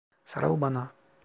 Sarıl bana.